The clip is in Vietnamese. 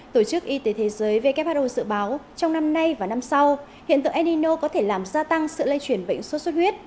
tổ chức y tế thế giới who dự báo trong năm nay và năm sau hiện tượng enino có thể làm gia tăng sự lây chuyển bệnh sốt xuất huyết